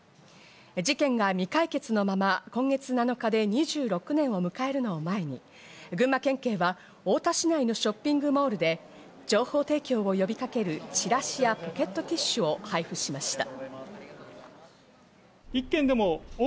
事件が未解決のまま今月７日で２６年を迎えるのを前に、群馬県警は太田市内のショッピングモールで情報提供を呼びかけるチラシやポケットティッシュを配布しました。